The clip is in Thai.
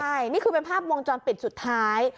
ใช่นี่คือเป็นภาพวงจรปิดสุดท้าย